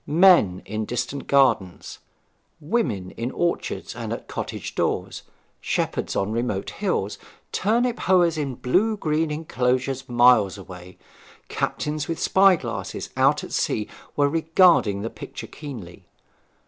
Men in distant gardens, women in orchards and at cottage doors, shepherds on remote hills, turnip hoers in blue green enclosures miles away, captains with spy glasses out at sea, were regarding the picture keenly.